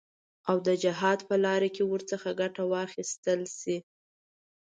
او د جهاد په لاره کې ورڅخه ګټه واخیستل شي.